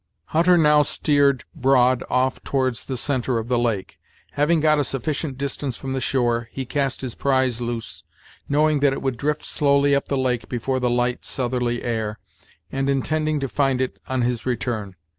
Hutter now steered broad off towards the centre of the lake. Having got a sufficient distance from the shore, he cast his prize loose, knowing that it would drift slowly up the lake before the light southerly air, and intending to find it on his return.